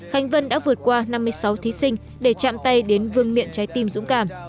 khánh vân đã vượt qua năm mươi sáu thí sinh để chạm tay đến vương miện trái tim dũng cảm